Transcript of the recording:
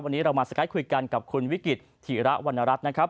วันนี้เรามาสกายคุยกันกับคุณวิกฤตธิระวรรณรัฐนะครับ